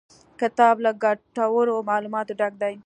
کتاب له ګټورو معلوماتو ډک دی.